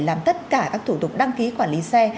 làm tất cả các thủ tục đăng ký quản lý xe